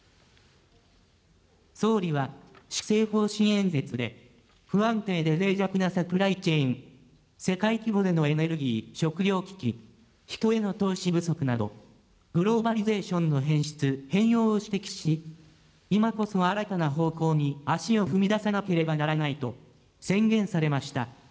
総理は施政方針演説で、不安定でぜい弱なサプライチェーン、世界規模でのエネルギー・食料危機、人への投資不足など、グローバリゼーションの変質・変容を指摘し、今こそ新たな方向に足を踏み出さなければならないと、宣言されました。